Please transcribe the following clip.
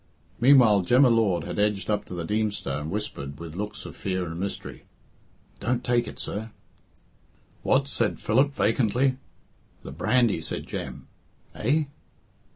Meanwhile Jem y Lord had edged up to the Deemster and whispered, with looks of fear and mystery, "Don't take it, sir." "What?" said Philip vacantly. "The brandy," said Jem. "Eh?"